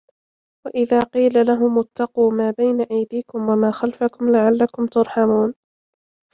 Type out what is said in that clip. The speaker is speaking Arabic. وَإِذا قيلَ لَهُمُ اتَّقوا ما بَينَ أَيديكُم وَما خَلفَكُم لَعَلَّكُم تُرحَمونَ